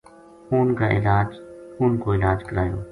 اُنھ کو علاج کرایو